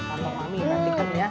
mau nanti kem ya